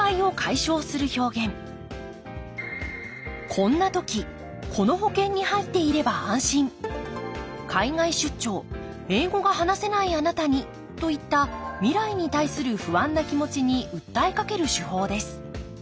「こんな時この保険に入っていれば安心」「海外出張英語が話せないあなたに！」といった未来に対する不安な気持ちにうったえかける手法です。